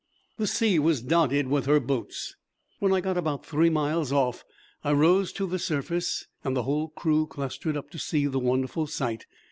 The sea was dotted with her boats. When I got about three miles off I rose to the surface, and the whole crew clustered up to see the wonderful sight.